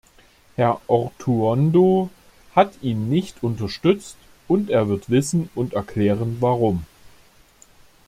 Herr Ortuondo hat ihn nicht unterstützt, und er wird wissen und erklären, warum.